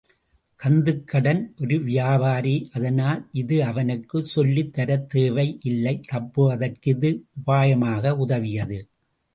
கந்துக்கடன் ஒரு வியாபாரி, அதனால் இது அவனுக்குச் சொல்லித் தரத் தேவை இல்லை தப்புவதற்கு இது உபாயமாக உதவியது.